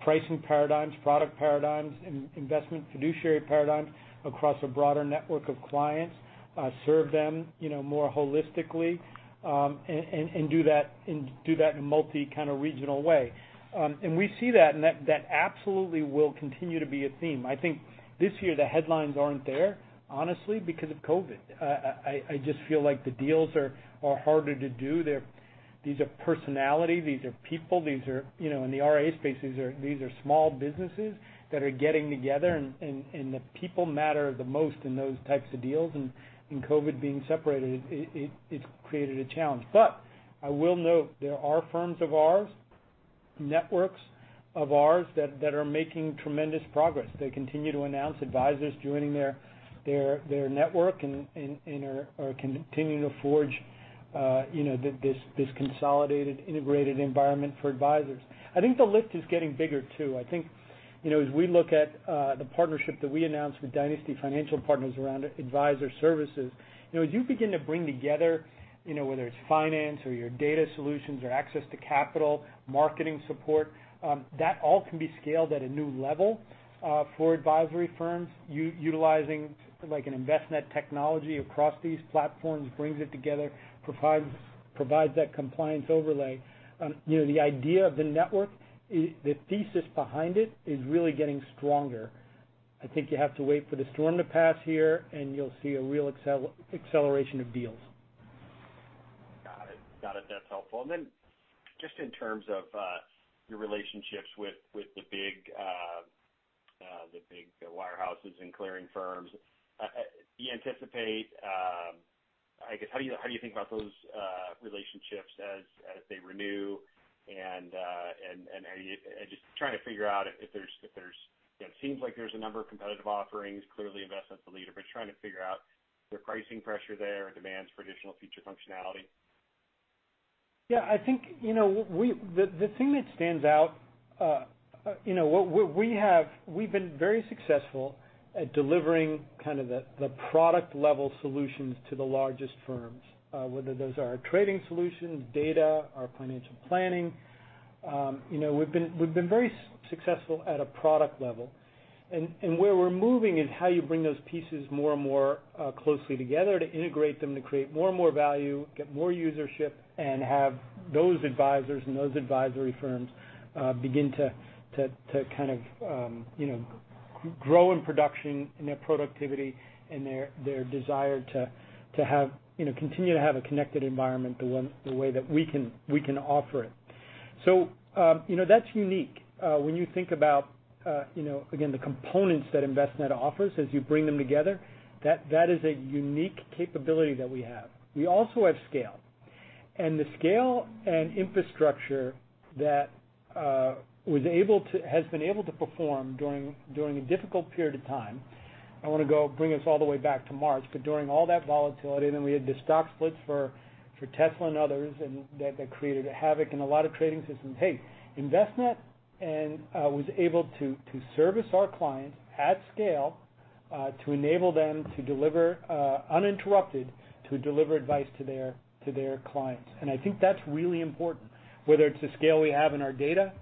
pricing paradigms, product paradigms, investment fiduciary paradigms across a broader network of clients, serve them more holistically, and do that in a multi regional way. We see that, and that absolutely will continue to be a theme. I think this year the headlines aren't there, honestly because of COVID. I just feel like the deals are harder to do. These are personality, these are people. In the RIA space, these are small businesses that are getting together. The people matter the most in those types of deals. COVID being separated, it's created a challenge. I will note there are firms of ours, networks of ours that are making tremendous progress. They continue to announce advisors joining their network and are continuing to forge this consolidated, integrated environment for advisors. I think the lift is getting bigger, too. I think as we look at the partnership that we announced with Dynasty Financial Partners around advisor services, as you begin to bring together whether it's finance or your data solutions or access to capital, marketing support, that all can be scaled at a new level for advisory firms utilizing an Envestnet technology across these platforms brings it together, provides that compliance overlay. The idea of the network, the thesis behind it is really getting stronger. I think you have to wait for the storm to pass here, and you'll see a real acceleration of deals. Got it. That's helpful. Just in terms of your relationships with the big wirehouses and clearing firms, do you anticipate I guess, how do you think about those relationships as they renew, and just trying to figure out It seems like there's a number of competitive offerings, clearly Envestnet's the leader, but trying to figure out is there pricing pressure there or demands for additional feature functionality? I think the thing that stands out. We've been very successful at delivering kind of the product level solutions to the largest firms, whether those are our trading solutions, data, our financial planning. We've been very successful at a product level, and where we're moving is how you bring those pieces more and more closely together to integrate them, to create more and more value, get more usership, and have those advisors and those advisory firms begin to kind of grow in production, in their productivity, and their desire to continue to have a connected environment the way that we can offer it. That's unique. When you think about, again, the components that Envestnet offers as you bring them together, that is a unique capability that we have. We also have scale, and the scale and infrastructure that has been able to perform during a difficult period of time. I want to go bring us all the way back to March, but during all that volatility, then we had the stock splits for Tesla and others, and that created havoc in a lot of trading systems. Hey, Envestnet was able to service our clients at scale, to enable them to deliver uninterrupted, to deliver advice to their clients. I think that's really important, whether it's the scale we have in our data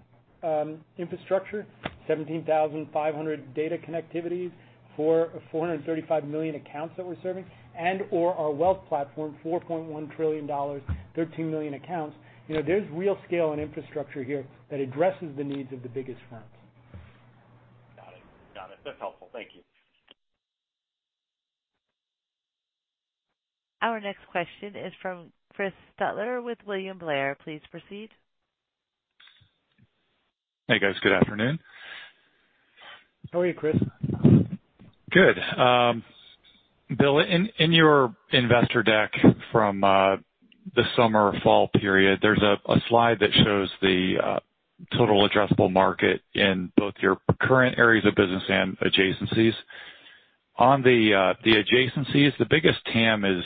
infrastructure, 17,500 data connectivities, 435 million accounts that we're serving, and/or our wealth platform, $4.1 trillion, 13 million accounts. There's real scale and infrastructure here that addresses the needs of the biggest firms. Got it. That's helpful. Thank you. Our next question is from Chris Shutler with William Blair. Please proceed. Hey, guys. Good afternoon. How are you, Chris? Good. Bill, in your investor deck from the summer/fall period, there's a slide that shows the total addressable market in both your current areas of business and adjacencies. On the adjacencies, the biggest TAM is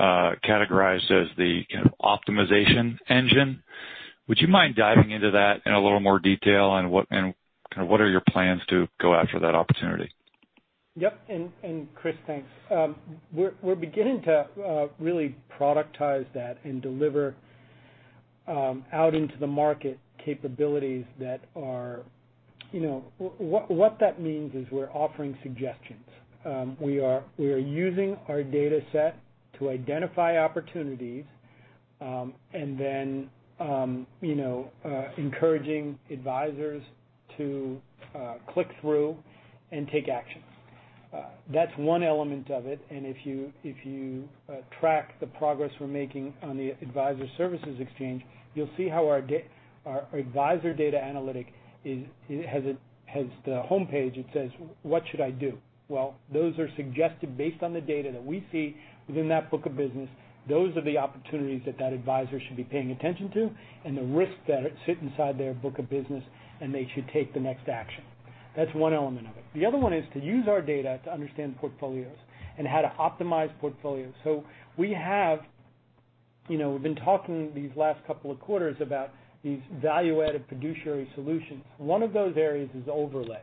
categorized as the optimization engine. Would you mind diving into that in a little more detail, kind of what are your plans to go after that opportunity? Yep. Chris, thanks. We're beginning to really productize that and deliver out into the market. What that means is we're offering suggestions. We are using our data set to identify opportunities, then encouraging advisors to click through and take actions. That's one element of it. If you track the progress we're making on the Advisor Services Exchange, you'll see how our advisor data analytic has the homepage. It says, "What should I do?" Well, those are suggested based on the data that we see within that book of business. Those are the opportunities that advisor should be paying attention to, and the risks that sit inside their book of business, and they should take the next action. That's one element of it. The other one is to use our data to understand portfolios and how to optimize portfolios. We've been talking these last couple of quarters about these value-added fiduciary solutions. One of those areas is overlay.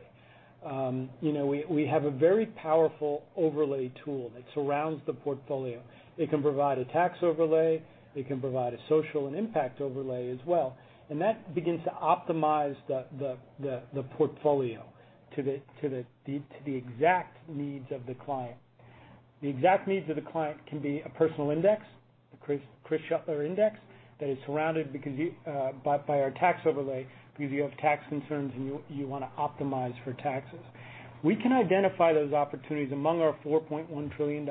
We have a very powerful overlay tool that surrounds the portfolio. It can provide a tax overlay. It can provide a social and impact overlay as well. That begins to optimize the portfolio to the exact needs of the client. The exact needs of the client can be a personal index, a Chris Shutler index, that is surrounded by our tax overlay because you have tax concerns and you want to optimize for taxes. We can identify those opportunities among our $4.1 trillion.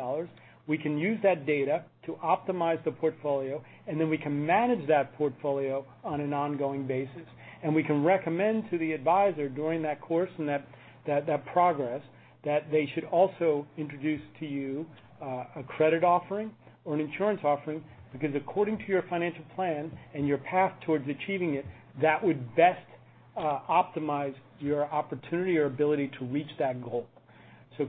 We can use that data to optimize the portfolio, and then we can manage that portfolio on an ongoing basis. We can recommend to the advisor during that course and that progress, that they should also introduce to you a credit offering or an insurance offering, because according to your financial plan and your path towards achieving it, that would best optimize your opportunity or ability to reach that goal.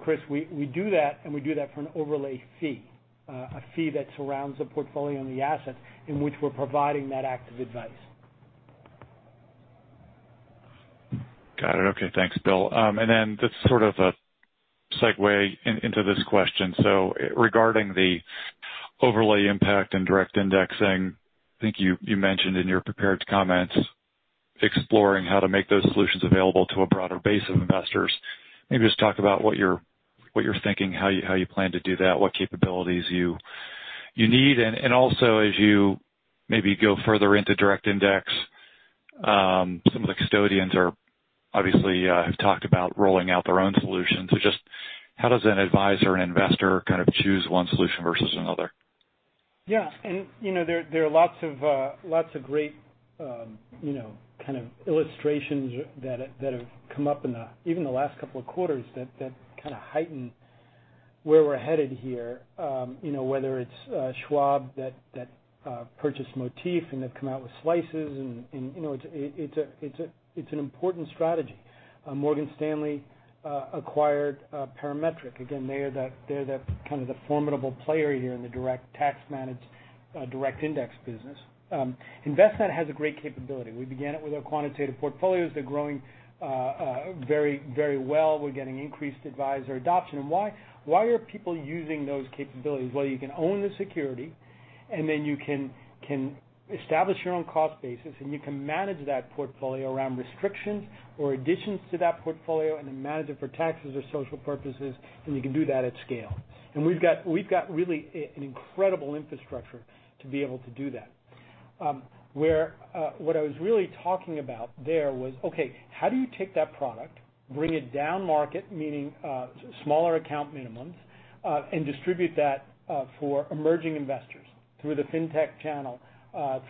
Chris, we do that, and we do that for an overlay fee, a fee that surrounds the portfolio and the assets in which we're providing that active advice. Got it. Okay, thanks, Bill. Then just sort of a segue into this question. Regarding the overlay impact and direct indexing, I think you mentioned in your prepared comments exploring how to make those solutions available to a broader base of investors. Maybe just talk about what you're thinking, how you plan to do that, what capabilities you need? Also, as you maybe go further into direct index, some of the custodians obviously have talked about rolling out their own solutions. Just how does an advisor and investor kind of choose one solution versus another? Yeah. There are lots of great kind of illustrations that have come up in even the last couple of quarters that kind of heighten where we're headed here, whether it's Schwab that purchased Motif, and they've come out with slices, and it's an important strategy. Morgan Stanley acquired Parametric. Again, they're the formidable player here in the direct tax-managed direct index business. Envestnet has a great capability. We began it with our Quantitative Portfolios. They're growing very well. We're getting increased advisor adoption. Why are people using those capabilities? Well, you can own the security, and then you can establish your own cost basis, and you can manage that portfolio around restrictions or additions to that portfolio, and then manage it for taxes or social purposes, and you can do that at scale. We've got really an incredible infrastructure to be able to do that. What I was really talking about there was, okay, how do you take that product, bring it down market, meaning smaller account minimums, and distribute that for emerging investors through the fintech channel,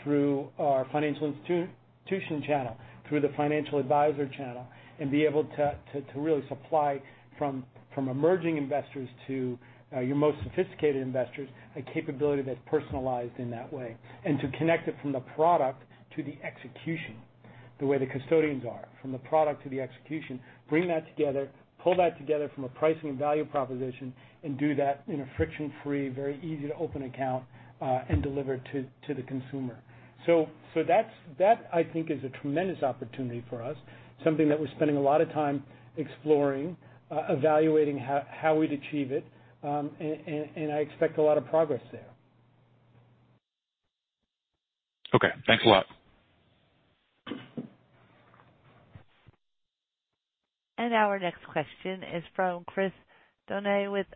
through our financial institution channel, through the financial advisor channel, and be able to really supply from emerging investors to your most sophisticated investors, a capability that's personalized in that way. To connect it from the product to the execution, the way the custodians are. From the product to the execution, bring that together, pull that together from a pricing and value proposition, and do that in a friction-free, very easy to open account, and deliver to the consumer. That, I think, is a tremendous opportunity for us. Something that we're spending a lot of time exploring, evaluating how we'd achieve it. I expect a lot of progress there. Okay. Thanks a lot. Our next question is from Chris Donat with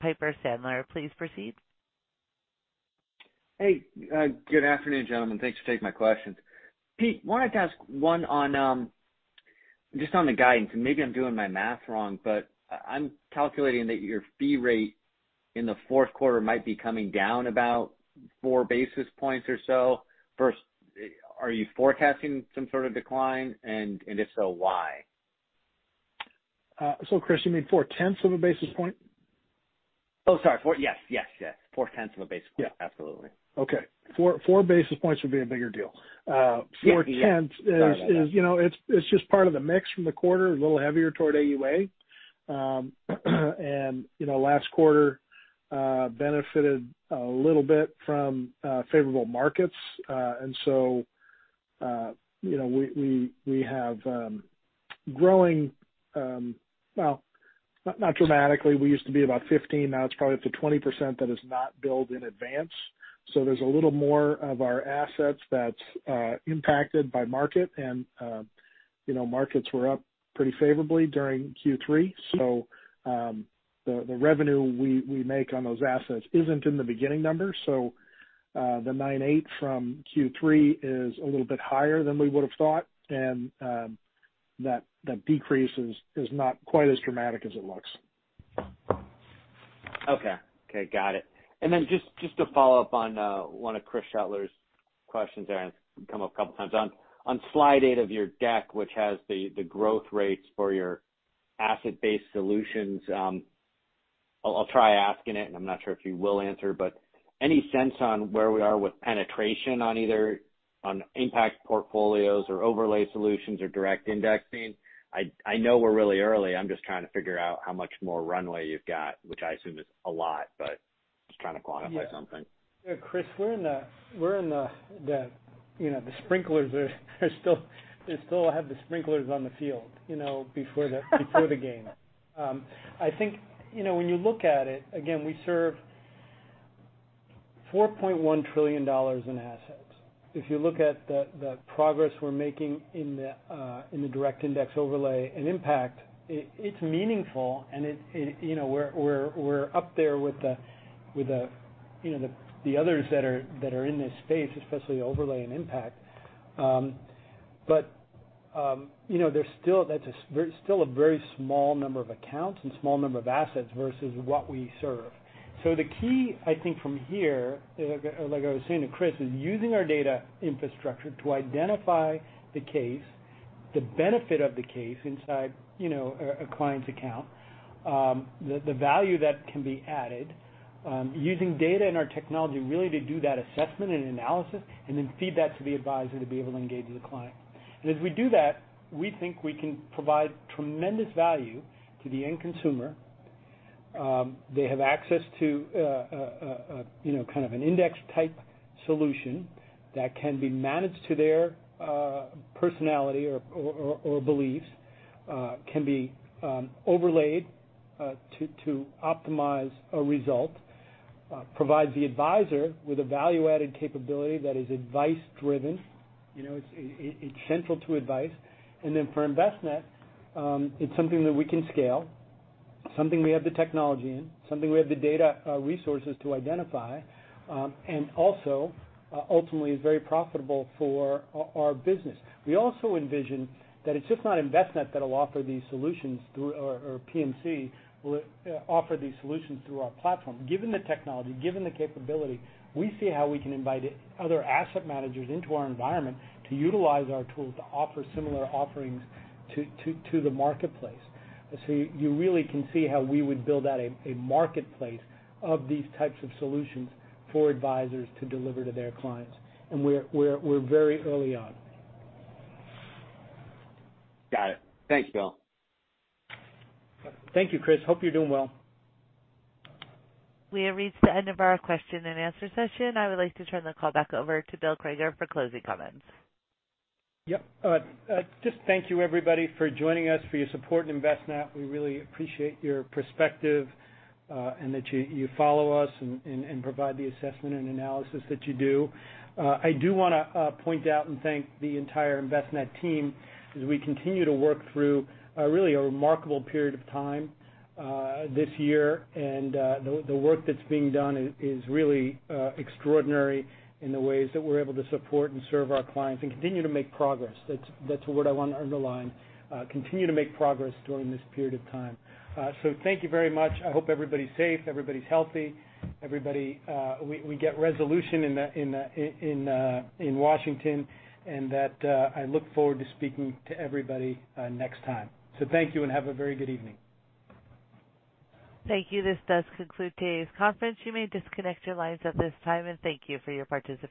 Piper Sandler. Please proceed. Hey, good afternoon, gentlemen. Thanks for taking my questions. Pete, wanted to ask one on the guidance, and maybe I'm doing my math wrong, but I'm calculating that your fee rate in the Q4 might be coming down about 4 basis points or so. First, are you forecasting some sort of decline, and if so, why? Chris, you mean four-tenths of a basis point? Oh, sorry. Yes. Four-tenths of a basis point. Yeah. Absolutely. Okay. 4 basis points would be a bigger deal. Four-tenths is. Yeah. Sorry about that. It's just part of the mix from the quarter, a little heavier toward AUA. Last quarter benefited a little bit from favorable markets. We have growing, well, not dramatically. We used to be about 15%, now it's probably up to 20% that is not billed in advance. There's a little more of our assets that's impacted by market. Markets were up pretty favorably during Q3, so the revenue we make on those assets isn't in the beginning numbers. The 9.8 from Q3 is a little bit higher than we would've thought, and that decrease is not quite as dramatic as it looks. Okay. Got it. Just to follow up on one of Chris Shutler's questions there, and it's come up a couple times. On slide eight of your deck, which has the growth rates for your asset-based solutions. I'll try asking it, and I'm not sure if you will answer, but any sense on where we are with penetration on either on impact portfolios or overlay solutions or direct indexing? I know we're really early. I'm just trying to figure out how much more runway you've got, which I assume is a lot, but just trying to quantify something. Yeah, Chris, they still have the sprinklers on the field before the game. I think when you look at it, again, we serve $4.1 trillion in assets. If you look at the progress we're making in the direct indexing overlay and impact, it's meaningful, and we're up there with the others that are in this space, especially overlay and impact. There's still a very small number of accounts and small number of assets versus what we serve. The key, I think, from here, like I was saying to Chris, is using our data infrastructure to identify the case, the benefit of the case inside a client's account, the value that can be added. Using data and our technology really to do that assessment and analysis, and then feed that to the advisor to be able to engage with the client. As we do that, we think we can provide tremendous value to the end consumer. They have access to kind of an index type solution that can be managed to their personality or beliefs. Can be overlaid to optimize a result. Provides the advisor with a value-added capability that is advice driven. It's central to advice. For Envestnet, it's something that we can scale. Something we have the technology in, something we have the data resources to identify. Ultimately, is very profitable for our business. We also envision that it's just not Envestnet that'll offer these solutions, or PMC will offer these solutions through our platform. Given the technology, given the capability, we see how we can invite other asset managers into our environment to utilize our tools to offer similar offerings to the marketplace. You really can see how we would build out a marketplace of these types of solutions for advisors to deliver to their clients. We're very early on. Got it. Thanks, Bill. Thank you, Chris. Hope you're doing well. We have reached the end of our question-and-answer session. I would like to turn the call back over to Bill Crager for closing comments. Yep. Just thank you everybody for joining us, for your support in Envestnet. We really appreciate your perspective, and that you follow us and provide the assessment and analysis that you do. I do want to point out and thank the entire Envestnet team as we continue to work through a really remarkable period of time this year. The work that's being done is really extraordinary in the ways that we're able to support and serve our clients and continue to make progress. That's a word I want to underline. Continue to make progress during this period of time. Thank you very much. I hope everybody's safe, everybody's healthy. We get resolution in Washington, and that I look forward to speaking to everybody next time. Thank you and have a very good evening. Thank you. This does conclude today's conference. You may disconnect your lines at this time, and thank you for your participation.